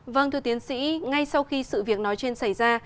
vâng thưa tiến sĩ ngay sau khi sự việc nói trên xảy ra